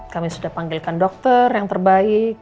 kami sudah panggilkan dokter yang terbaik